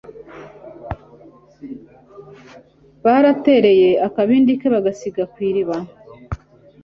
baratereye akabindi ke bagasiga ku iriba